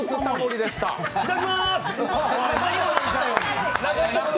いただきます！